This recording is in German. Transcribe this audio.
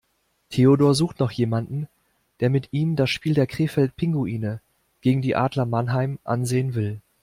Theodor sucht noch jemanden, der mit ihm das Spiel der Krefeld Pinguine gegen die Adler Mannheim ansehen will.